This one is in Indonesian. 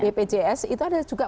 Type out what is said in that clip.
bpjs itu juga